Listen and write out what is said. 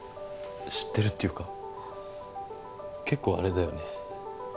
知ってるっていうか結構あれだよね